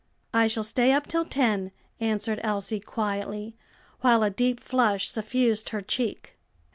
"I shall stay up till ten," answered Elsie quietly, while a deep flush suffused her cheek.